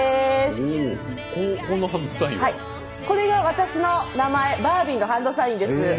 これが、私の名前バービーのハンドサインです。